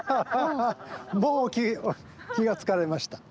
もう気が付かれました？